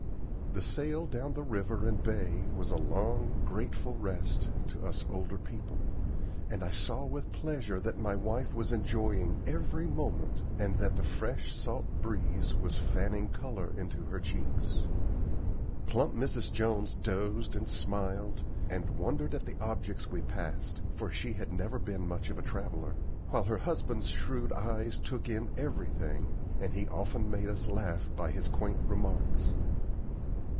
The sail down the river and bay was a long, grateful rest to us older people, and I saw with pleasure that my wife was enjoying every moment, and that the fresh salt breeze was fanning color into her cheeks. Plump Mrs. Jones dozed and smiled, and wondered at the objects we passed, for she had never been much of a traveller; while her husband's shrewd eyes took in everything, and he often made us laugh by his quaint remarks.